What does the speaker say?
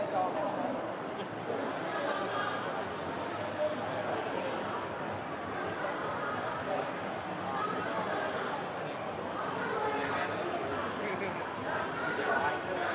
สวัสดีครับ